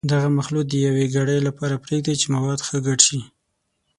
دغه مخلوط د یوې ګړۍ لپاره پرېږدئ چې مواد ښه ګډ شي.